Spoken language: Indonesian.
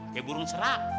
kayak burung serang